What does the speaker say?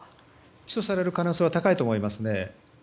起訴される可能性は高いと思いますね。